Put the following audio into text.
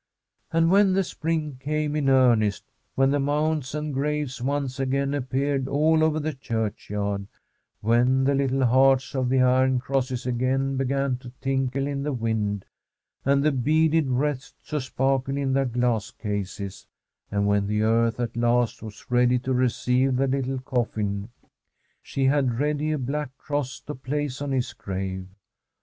And when the spring came in earnest, when mounds and graves once again appeared all over the churchyard, when the little hearts of the iron crosses again began to tinkle in the wind, and the beaded wreaths to sparkle in their glass cases, and when the earth at last was ready to receive the little coffin, she had ready a black cross to place on his grave.